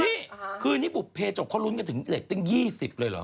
นี่คืนนี้ปุ๊บเผย์จบเขารุ้นกันถึง๒๐เลยเหรอ